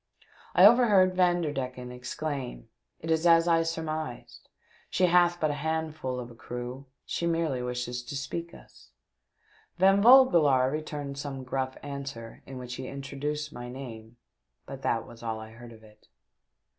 I overheard Vanderdecken exclaim, *' It is as I surmised ; she hath but a handful of a crew ; she merely wishes to speak us." Van Vogelaar returned some gruff answer in which he introduced my name, but that was all I heard of it.